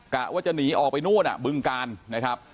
กะว่าจะหนีออกไปนู่นบึงกาลนะครับ